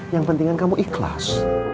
yang penting kamu ikhlas